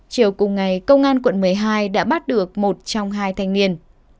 chiều cùng ngày công an quận một mươi hai đã bắt được một trong hai thanh niên